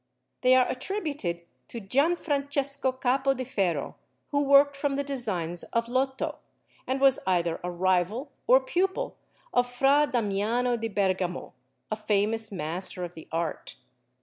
They are attributed to Gianfrancesco Capo di Ferro, who worked from the designs of Lotto, and was either a rival or pupil of Fra Damiano di Bergamo, a famous master of the art.